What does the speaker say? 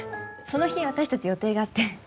その日私たち予定があって。